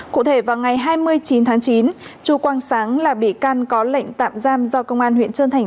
cụ thể vào ngày hai mươi chín tháng chín chu quang sáng là bị can có lệnh tạm giam do công an huyện trơn thành